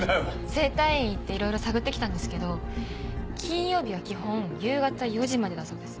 整体院行っていろいろ探って来たんですけど金曜日は基本夕方４時までだそうです。